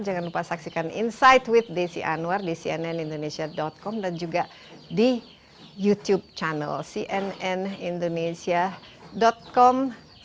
jangan lupa saksikan insight with desi anwar di cnnindonesia com dan juga di youtube channel cnn indonesia com